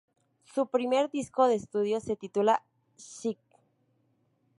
Su primer disco de estudio se titula "Sick!!!